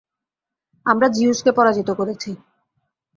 আমরা জিউসকে পরাজিত করেছি!